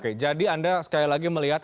oke jadi anda sekali lagi melihat